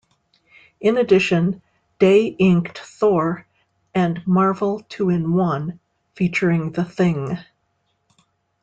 In addition, Day inked "Thor" and "Marvel Two-in-One" featuring the Thing.